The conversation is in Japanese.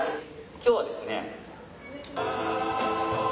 今日はですね。